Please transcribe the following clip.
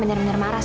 dengan earan l